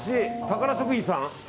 宝食品さん。